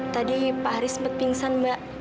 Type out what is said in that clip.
tadi pak haris sempat pingsan mbak